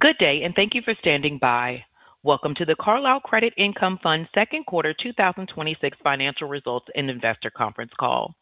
Good day. Thank you for standing by. Welcome to the Carlyle Credit Income Fund's second quarter 2026 financial results and investor conference call.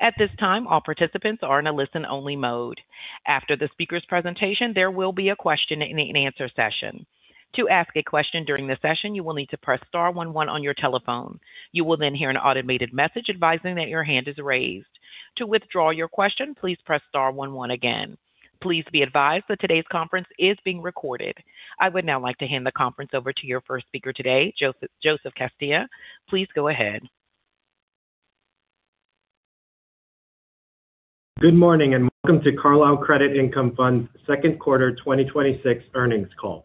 At this time, all participants are in a listen-only mode. After the speaker's presentation, there will be a question and answer session. To ask a question during the session, you will need to press star one one on your telephone. You will hear an automated message advising that your hand is raised. To withdraw your question, please press star one one again. Please be advised that today's conference is being recorded. I would now like to hand the conference over to your first speaker today, Joseph Castia. Please go ahead. Good morning, and welcome to Carlyle Credit Income Fund's second quarter 2026 earnings call.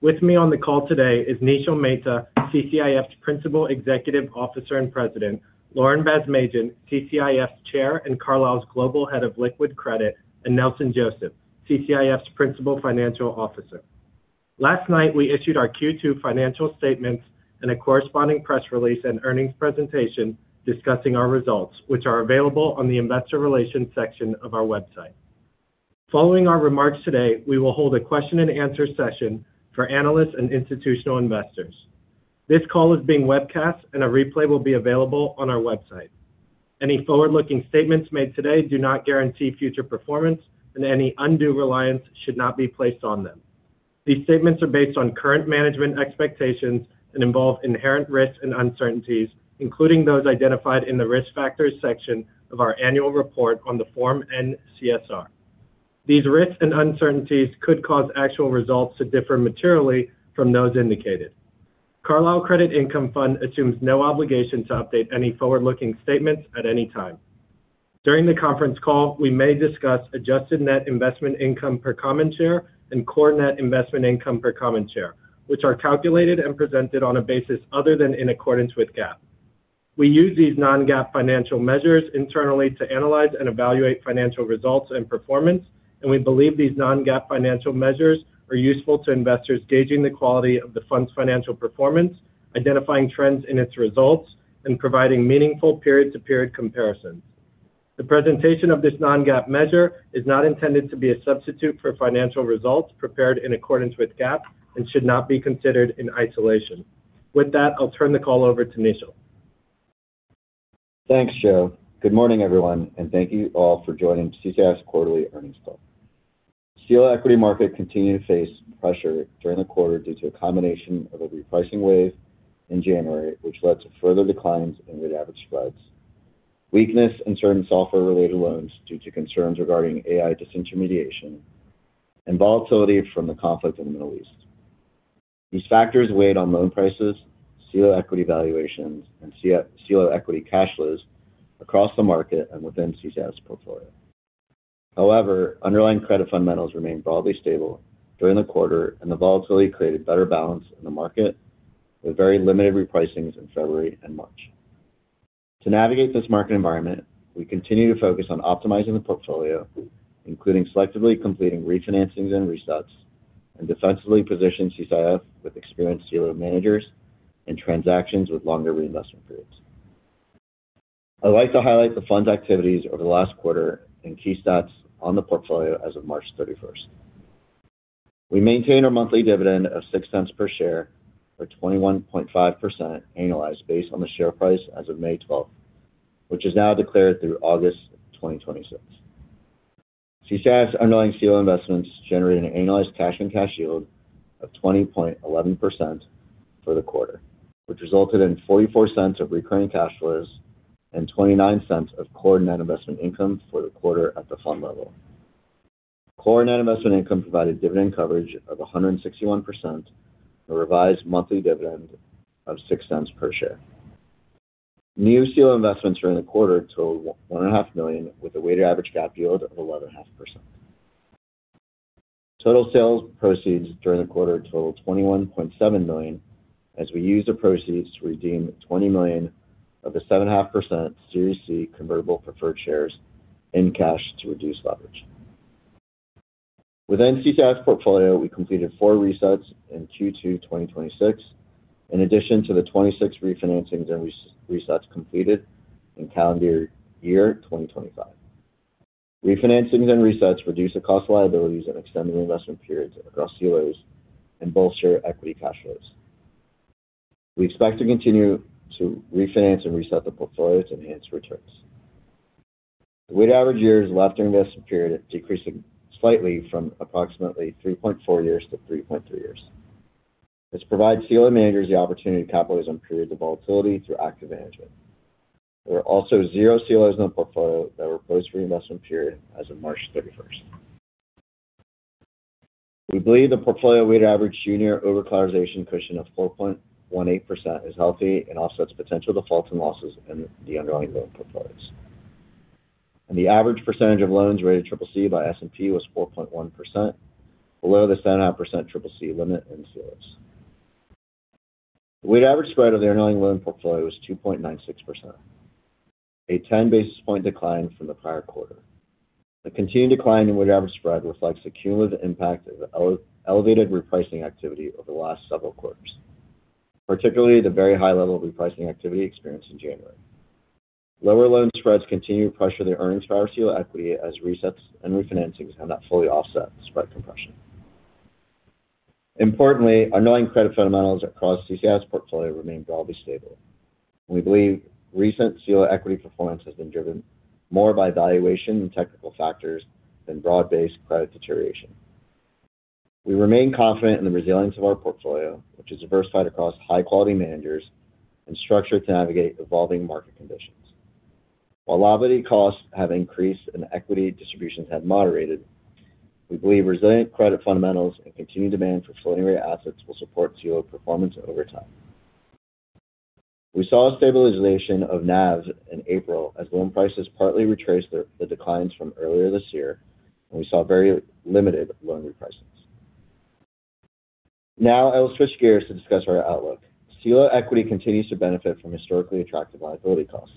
With me on the call today is Nishil Mehta, CCIF's Principal Executive Officer and President, Lauren Basmadjian, CCIF's Chair and Carlyle's Global Head of Liquid Credit, and Nelson Joseph, CCIF's Principal Financial Officer. Last night, we issued our Q2 financial statements and a corresponding press release and earnings presentation discussing our results, which are available on the investor relations section of our website. Following our remarks today, we will hold a question and answer session for analysts and institutional investors. This call is being webcast, and a replay will be available on our website. Any forward-looking statements made today do not guarantee future performance, and any undue reliance should not be placed on them. These statements are based on current management expectations and involve inherent risks and uncertainties, including those identified in the risk factors section of our annual report on the Form N-CSR. These risks and uncertainties could cause actual results to differ materially from those indicated. Carlyle Credit Income Fund assumes no obligation to update any forward-looking statements at any time. During the conference call, we may discuss adjusted net investment income per common share and core net investment income per common share, which are calculated and presented on a basis other than in accordance with GAAP. We use these non-GAAP financial measures internally to analyze and evaluate financial results and performance, and we believe these non-GAAP financial measures are useful to investors gauging the quality of the Fund's financial performance, identifying trends in its results, and providing meaningful period-to-period comparisons. The presentation of this non-GAAP measure is not intended to be a substitute for financial results prepared in accordance with GAAP and should not be considered in isolation. With that, I'll turn the call over to Nishil. Thanks, Joe. Good morning, everyone, and thank you all for joining CCIF's quarterly earnings call. CLO equity market continued to face pressure during the quarter due to a combination of a repricing wave in January, which led to further declines in weighted average spreads, weakness in certain software-related loans due to concerns regarding AI disintermediation, and volatility from the conflict in the Middle East. These factors weighed on loan prices, CLO equity valuations, and CLO equity cash flows across the market and within CCIF's portfolio. However, underlying credit fundamentals remained broadly stable during the quarter, and the volatility created better balance in the market with very limited repricings in February and March. To navigate this market environment, we continue to focus on optimizing the portfolio, including selectively completing refinancings and resets, and defensively position CCIF with experienced CLO managers and transactions with longer reinvestment periods. I'd like to highlight the Fund's activities over the last quarter and key stats on the portfolio as of March 31st. We maintain our monthly dividend of $0.06 per share for 21.5% annualized based on the share price as of May 12th, which is now declared through August 2026. CCIF's underlying CLO investments generated an annualized cash-on-cash yield of 20.11% for the quarter, which resulted in $0.44 of recurring cash flows and $0.29 of core net investment income for the quarter at the Fund level. Core net investment income provided dividend coverage of 161% for revised monthly dividend of $0.06 per share. New CLO investments during the quarter totaled $1.5 million with a weighted average GAAP yield of 11.5%. Total sales proceeds during the quarter totaled $21.7 million as we used the proceeds to redeem $20 million of the 7.5% Series C convertible preferred shares in cash to reduce leverage. Within CCIF's portfolio, we completed four resets in Q2 2026, in addition to the 26 refinancings and resets completed in calendar year 2025. Refinancings and resets reduce the cost of liabilities and extend the investment periods across CLOs and bolster equity cash flows. We expect to continue to refinance and reset the portfolio to enhance returns. The weighted average years left during this period decreased slightly from approximately 3.4 years to 3.3 years. This provides CLO managers the opportunity to capitalize on periods of volatility through active management. There are also zero CLOs in the portfolio that were post-reinvestment period as of March 31st. We believe the portfolio weighted average junior overcollateralization cushion of 4.18% is healthy and offsets potential defaults and losses in the underlying loan portfolios. The average percentage of loans rated CCC by S&P was 4.1% below the 7.5% CCC limit in CLOs. The weighted average spread of the underlying loan portfolio was 2.96%, a 10-basis point decline from the prior quarter. The continued decline in weighted average spread reflects the cumulative impact of the elevated repricing activity over the last several quarters, particularly the very high level of repricing activity experienced in January. Lower loan spreads continue to pressure the earnings power of CLO equity as resets and refinancings have not fully offset spread compression. Importantly, underlying credit fundamentals across CCIF's portfolio remain broadly stable. We believe recent CLO equity performance has been driven more by valuation and technical factors than broad-based credit deterioration. We remain confident in the resilience of our portfolio, which is diversified across high-quality managers and structured to navigate evolving market conditions. While liability costs have increased and equity distributions have moderated, we believe resilient credit fundamentals and continued demand for floating-rate assets will support CLO performance over time. We saw a stabilization of NAVs in April as loan prices partly retraced the declines from earlier this year, and we saw very limited loan repricings. Now I will switch gears to discuss our outlook. CLO equity continues to benefit from historically attractive liability costs.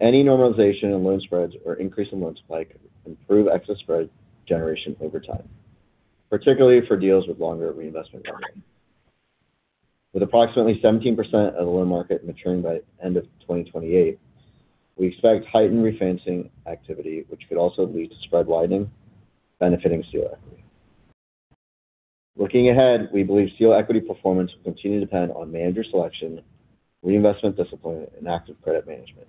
Any normalization in loan spreads or increase in loan supply could improve excess spread generation over time, particularly for deals with longer reinvestment windows. With approximately 17% of the loan market maturing by end of 2028, we expect heightened refinancing activity, which could also lead to spread widening, benefiting CLO equity. Looking ahead, we believe CLO equity performance will continue to depend on manager selection, reinvestment discipline, and active credit management.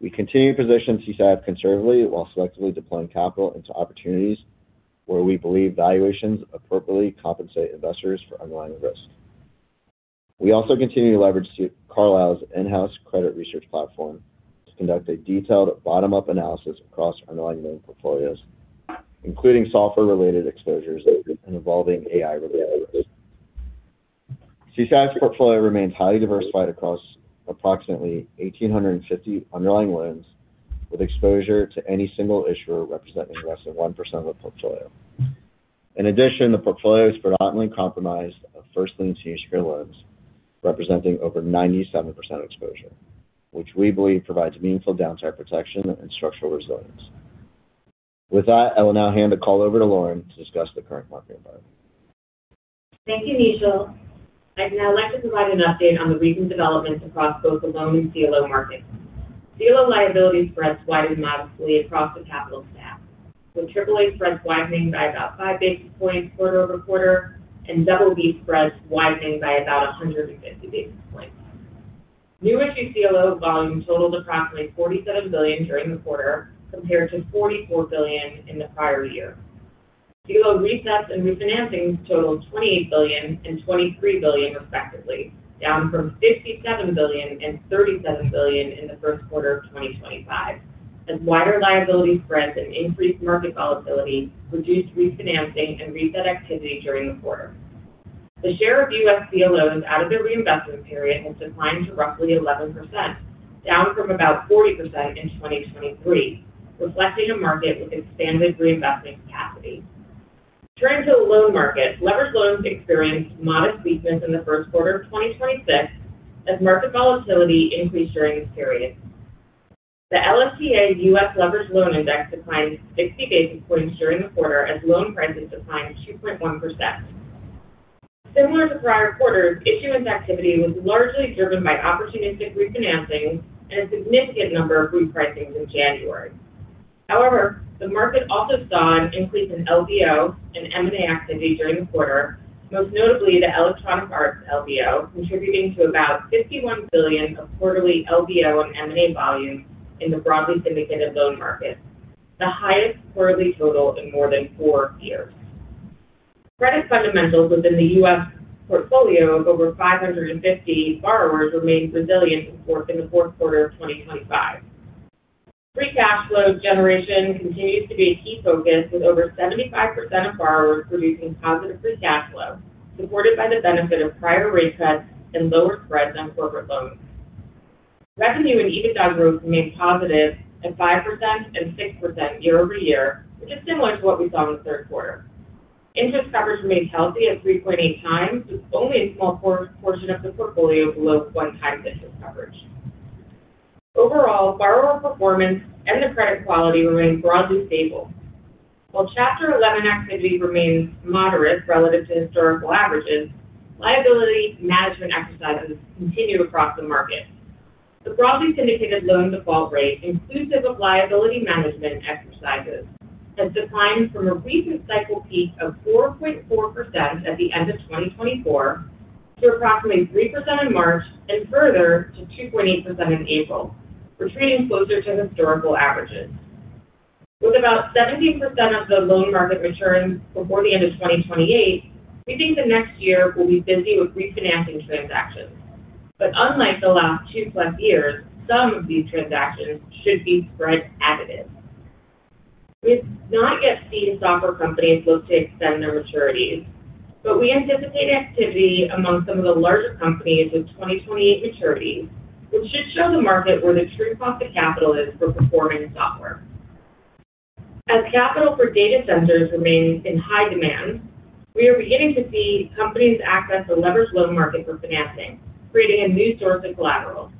We continue to position CCIF conservatively while selectively deploying capital into opportunities where we believe valuations appropriately compensate investors for underlying risk. We also continue to leverage Carlyle's in-house credit research platform to conduct a detailed bottom-up analysis across underlying loan portfolios, including software-related exposures and evolving AI-related risk. CCIF's portfolio remains highly diversified across approximately 1,850 underlying loans, with exposure to any single issuer representing less than 1% of the portfolio. In addition, the portfolio is predominantly compromised of first lien senior secured loans, representing over 97% exposure, which we believe provides meaningful downside protection and structural resilience. With that, I will now hand the call over to Lauren to discuss the current market environment. Thank you, Nishil. I'd now like to provide an update on the recent developments across both the loan and CLO markets. CLO liability spreads widened modestly across the capital stack, with AAA spreads widening by about 5 basis points quarter-over-quarter and BB spreads widening by about 150 basis points. New issued CLO volume totaled approximately $47 billion during the quarter, compared to $44 billion in the prior year. CLO resets and refinancings totaled $28 billion and $23 billion respectively, down from $57 billion and $37 billion in the first quarter of 2025 as wider liability spreads and increased market volatility reduced refinancing and reset activity during the quarter. The share of U.S. CLOs out of their reinvestment period has declined to roughly 11%, down from about 40% in 2023, reflecting a market with expanded reinvestment capacity. Turning to the loan market, leveraged loans experienced modest weakness in the first quarter of 2026 as market volatility increased during this period. The LSTA U.S. Leveraged Loan Index declined 60 basis points during the quarter as loan prices declined 2.1%. Similar to prior quarters, issuance activity was largely driven by opportunistic refinancings and a significant number of repricings in January. The market also saw an increase in LBO and M&A activity during the quarter, most notably the Electronic Arts LBO, contributing to about $51 billion of quarterly LBO and M&A volume in the broadly syndicated loan market, the highest quarterly total in more than four years. Credit fundamentals within the U.S. portfolio of over 550 borrowers remained resilient in the fourth quarter of 2025. Free cash flow generation continues to be a key focus, with over 75% of borrowers producing positive free cash flow, supported by the benefit of prior rate cuts and lower spreads on corporate loans. Revenue and EBITDA growth remained positive at 5% and 6% year-over-year, which is similar to what we saw in the third quarter. Interest coverage remained healthy at 3.8x, with only a small portion of the portfolio below one-time interest coverage. Overall, borrower performance and the credit quality remained broadly stable. While Chapter 11 activity remains moderate relative to historical averages, liability management exercises continue across the market. The broadly syndicated loan default rate, inclusive of liability management exercises, has declined from a recent cycle peak of 4.4% at the end of 2024 to approximately 3% in March and further to 2.8% in April, retreating closer to historical averages. With about 17% of the loan market maturing before the end of 2028, we think the next year will be busy with refinancing transactions. Unlike the last two-plus years, some of these transactions should be spread additive. We have not yet seen software companies look to extend their maturities, but we anticipate activity among some of the larger companies with 2028 maturities, which should show the market where the true cost of capital is for performing software. As capital for data centers remains in high demand, we are beginning to see companies access the leveraged loan market for financing, creating a new source of collateral.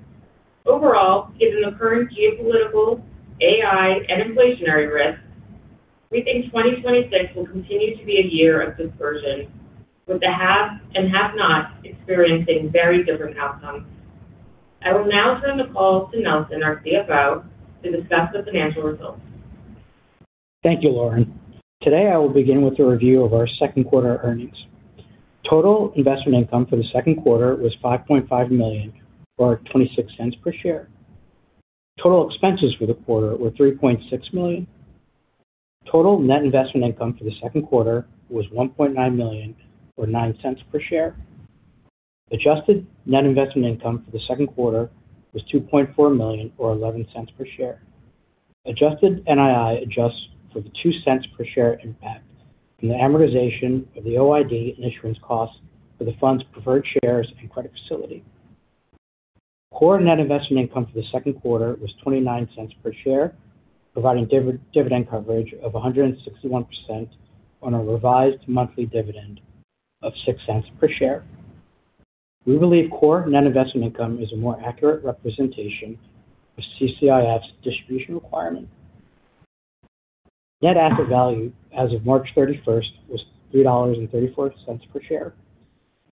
Overall, given the current geopolitical, AI, and inflationary risks. We think 2026 will continue to be a year of dispersion, with the haves and have-nots experiencing very different outcomes. I will now turn the call to Nelson, our CFO, to discuss the financial results. Thank you, Lauren. Today, I will begin with a review of our second quarter earnings. Total investment income for the second quarter was $5.5 million, or $0.26 per share. Total expenses for the quarter were $3.6 million. Total net investment income for the second quarter was $1.9 million, or $0.09 per share. Adjusted net investment income for the second quarter was $2.4 million, or $0.11 per share. Adjusted NII adjusts for the $0.02 per share impact from the amortization of the OID and insurance costs for the fund's preferred shares and credit facility. Core net investment income for the second quarter was $0.29 per share, providing dividend coverage of 161% on a revised monthly dividend of $0.06 per share. We believe core net investment income is a more accurate representation of CCIF's distribution requirement. Net asset value as of March 31st was $3.34 per share.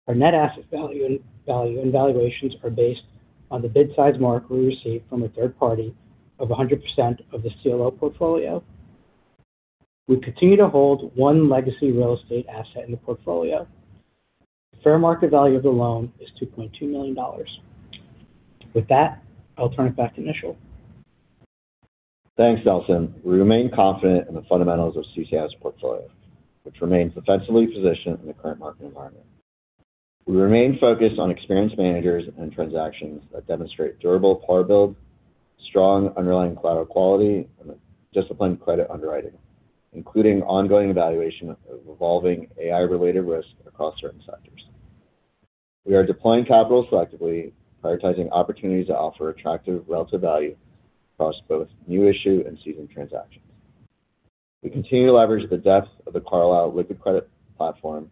Our net asset value and valuations are based on the bid-side mark we received from a third party of 100% of the CLO portfolio. We continue to hold one legacy real estate asset in the portfolio. Fair market value of the loan is $2.2 million. With that, I'll turn it back to Nishil. Thanks, Nelson. We remain confident in the fundamentals of CCIF's portfolio, which remains defensively positioned in the current market environment. We remain focused on experienced managers and transactions that demonstrate durable par build, strong underlying collateral quality, and a disciplined credit underwriting, including ongoing evaluation of evolving AI-related risk across certain sectors. We are deploying capital selectively, prioritizing opportunities that offer attractive relative value across both new issue and seasoned transactions. We continue to leverage the depth of the Carlyle liquid credit platform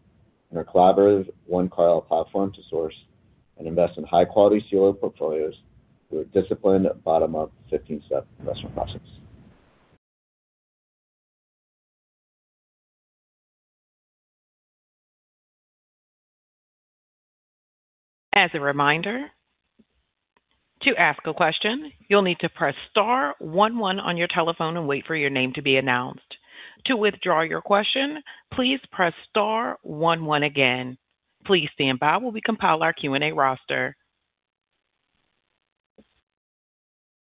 and our collaborative One Carlyle platform to source and invest in high-quality CLO portfolios through a disciplined bottom-up 15 step investment process. As a reminder, to ask a question, you'll need to press star one one on your telephone and wait for your name to be announced. To withdraw your question, please press star one one again. Please stand by while we compile our Q&A roster.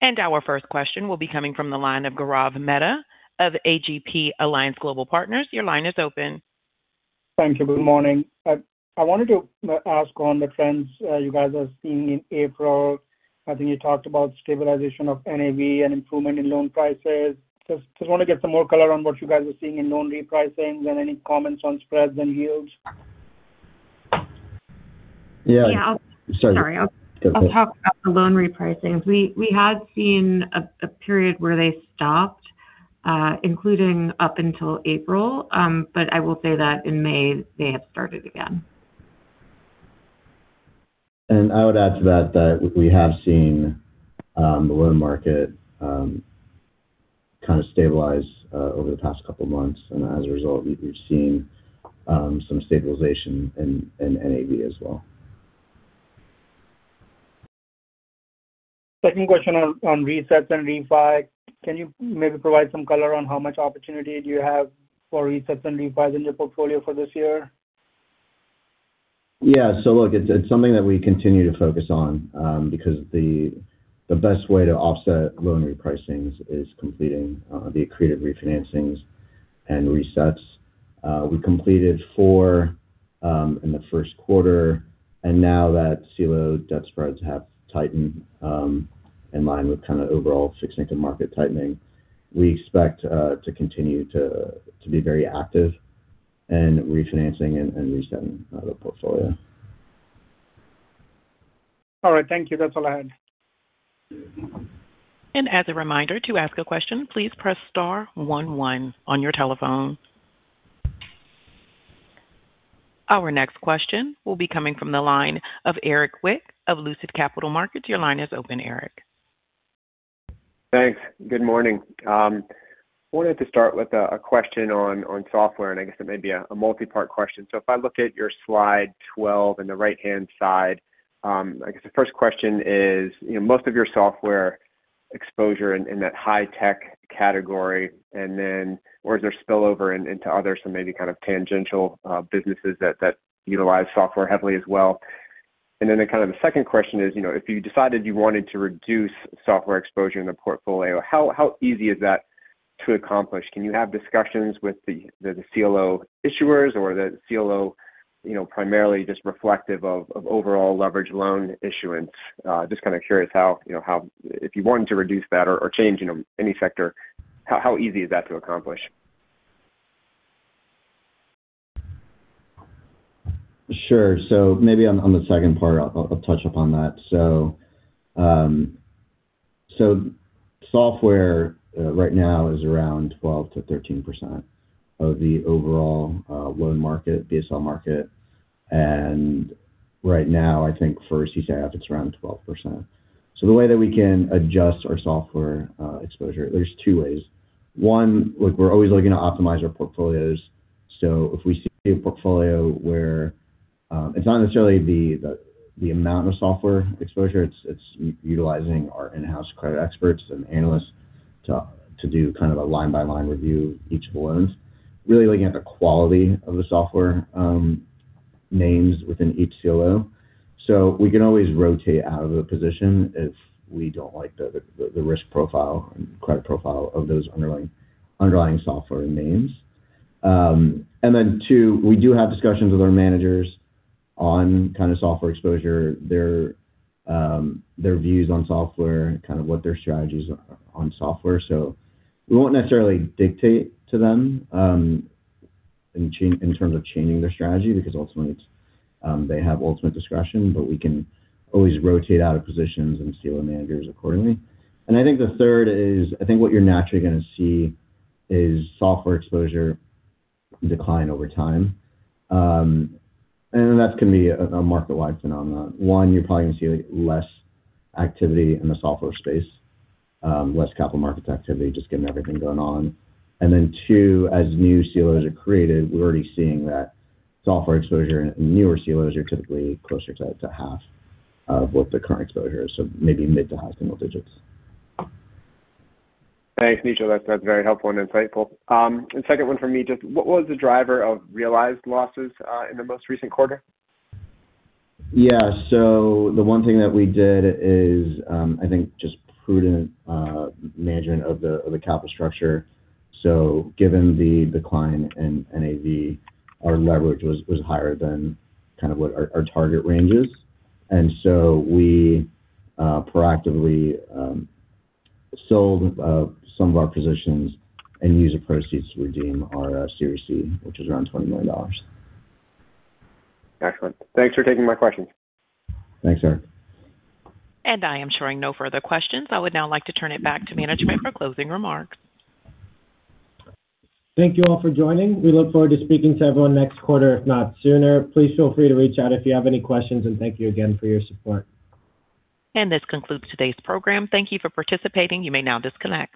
Our first question will be coming from the line of Gaurav Mehta of A.G.P. Alliance Global Partners. Your line is open. Thank you. Good morning. I wanted to ask on the trends you guys are seeing in April. I think you talked about stabilization of NAV and improvement in loan prices. Just want to get some more color on what you guys are seeing in loan repricings and any comments on spreads and yields. Yeah. Yeah. Sorry. Sorry. I'll talk about the loan repricings. We had seen a period where they stopped, including up until April. I will say that in May, they have started again. I would add to that we have seen the loan market kind of stabilize over the past couple of months. As a result, we've seen some stabilization in NAV as well. Second question on resets and refi. Can you maybe provide some color on how much opportunity do you have for resets and refis in your portfolio for this year? Yeah. Look, it's something that we continue to focus on, because the best way to offset loan repricings is completing the accretive refinancings and resets. We completed four in the first quarter. Now that CLO debt spreads have tightened in line with kind of overall fixed income market tightening, we expect to continue to be very active in refinancing and resetting the portfolio. All right. Thank you. That's all I had. As a reminder, to ask a question, please press star one one on your telephone. Our next question will be coming from the line of Erik Zwick of Lucid Capital Markets. Your line is open, Erik. Thanks. Good morning. I wanted to start with a question on software, and I guess it may be a multi-part question. If I look at your Slide 12 in the right-hand side, I guess the first question is, most of your software exposure in that high tech category? Where is there spillover into other some maybe kind of tangential businesses that utilize software heavily as well? The second question is, if you decided you wanted to reduce software exposure in the portfolio, how easy is that to accomplish? Can you have discussions with the CLO issuers or the CLO primarily just reflective of overall leverage loan issuance? Just kind of curious how, if you wanted to reduce that or change any sector, how easy is that to accomplish? Sure. Maybe on the second part, I'll touch up on that. Software right now is around 12%-13% of the overall loan market, BSL market. Right now, I think for CCIF, it's around 12%. The way that we can adjust our software exposure, there's two ways. One, we're always looking to optimize our portfolios. If we see a portfolio where it's not necessarily the amount of software exposure, it's utilizing our in-house credit experts and analysts to do kind of a line-by-line review of each of the loans, really looking at the quality of the software names within each CLO. We can always rotate out of a position if we don't like the risk profile and credit profile of those underlying software names. Two, we do have discussions with our managers on software exposure, their views on software, and kind of what their strategies are on software. We won't necessarily dictate to them, in terms of changing their strategy, because ultimately they have ultimate discretion, but we can always rotate out of positions and CLO managers accordingly. I think the third is, I think what you're naturally going to see is software exposure decline over time. That's going to be a market-wide phenomenon. One, you're probably going to see less activity in the software space, less capital market activity, just given everything going on. Two, as new CLOs are created, we're already seeing that software exposure in newer CLOs are typically closer to half of what the current exposure is. Maybe mid to high single digits. Thanks, Nishil. That's very helpful and insightful. Second one from me, just what was the driver of realized losses in the most recent quarter? Yeah. The one thing that we did is, I think, just prudent management of the capital structure. Given the decline in NAV, our leverage was higher than kind of what our target range is. We proactively sold some of our positions and used the proceeds to redeem our Series C, which is around $20 million. Excellent. Thanks for taking my questions. Thanks, Erik. I am showing no further questions. I would now like to turn it back to management for closing remarks. Thank you all for joining. We look forward to speaking to everyone next quarter, if not sooner. Please feel free to reach out if you have any questions. Thank you again for your support. This concludes today's program. Thank you for participating. You may now disconnect.